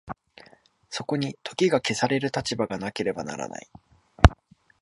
そこに時が消される立場がなければならない。